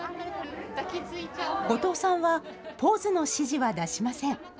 後藤さんはポーズの指示は出しません。